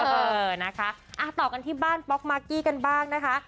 เออนะคะต่อกันที่บ้านป๊อกมากกี้กันบ้างนะคะ